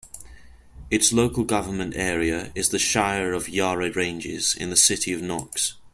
Its local government area is the Shire of Yarra Ranges and City of Knox.